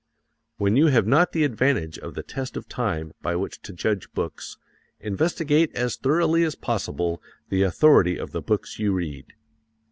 When you have not the advantage of the test of time by which to judge books, investigate as thoroughly as possible the authority of the books you read.